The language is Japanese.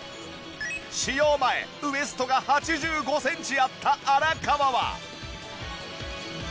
使用前ウエストが８５センチあった荒川は。